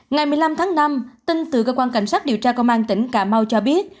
ngày một mươi năm tháng năm tin từ cơ quan cảnh sát điều tra công an tỉnh cà mau cho biết